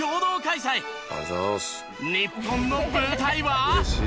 日本の舞台は。